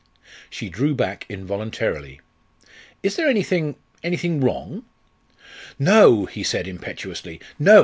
She drew back involuntarily. "Is there anything anything wrong?" "No," he said impetuously, "no!